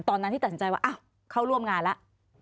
ตอนนั้นที่ตัดสินใจว่าเข้าร่วมงานแล้ว